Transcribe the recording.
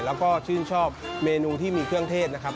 แล้วก็ชื่นชอบเมนูที่มีเครื่องเทศนะครับ